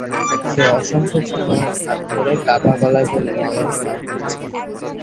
সে অসংকোচে আমার হাত ধরে কাপা গলায় বলল, আমার ভয় করছে।